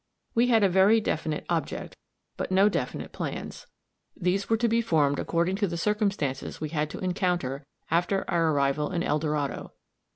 We had a very definite object, but no definite plans; these were to be formed according to the circumstances we had to encounter after our arrival in El Dorado.